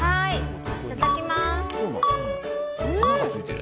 いただきます！